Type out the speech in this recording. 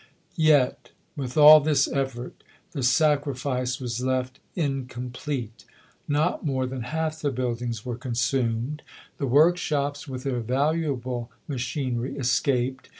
Yet, with all this effort, the sacrifice was left in complete. Not more than half the buildings were consumed. The workshops, with their valuable machinery, escaped.